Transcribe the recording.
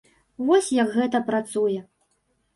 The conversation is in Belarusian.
Вось як гэта працуе.